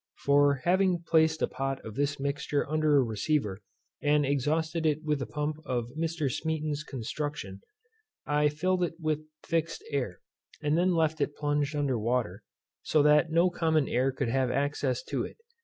For having placed a pot of this mixture under a receiver, and exhausted it with a pump of Mr. Smeaton's construction, I filled it with fixed air, and then left it plunged under water; so that no common air could have access to it.